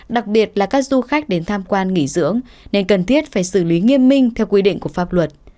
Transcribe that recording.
đặc biệt là các du khách đến tham quan nghỉ dưỡng nên cần thiết phải xử lý nghiêm minh theo quy định của pháp luật